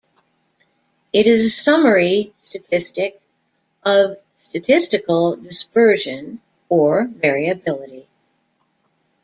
It is a summary statistic of statistical dispersion or variability.